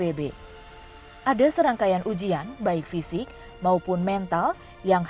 sebagai seorang anggota yang dipercaya mengembangkan tugas sebagai pasukan perdamaian pbb